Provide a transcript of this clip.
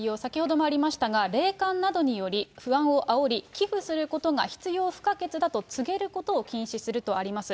政府案の概要、先ほどもありましたが、霊感などにより不安をあおり寄付することが必要不可欠だと告げることを禁止するとあります。